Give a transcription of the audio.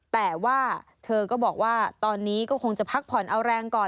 แต่ว่าเธอก็บอกว่าตอนนี้ก็คงจะพักผ่อนเอาแรงก่อน